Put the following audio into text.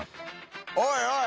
おいおい！